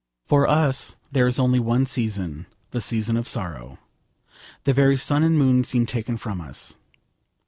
For us there is only one season, the season of sorrow. The very sun and moon seem taken from us.